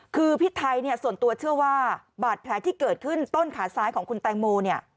คือพี่ไทยเนี่ยส่วนตัวเชื่อว่าบาดแผลที่เกิดขึ้นต้นขาซ้ายของคุณแตงโมเนี่ย